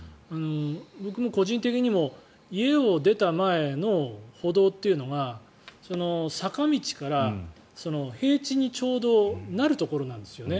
僕も個人的に家を出た前の歩道というのが坂道から平地にちょうどなるところなんですよね。